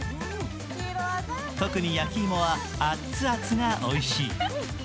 特に焼き芋は熱々がおいしい。